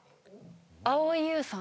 蒼井優さん。